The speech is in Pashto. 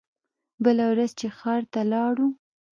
بله ورځ چې ښار ته لاړو.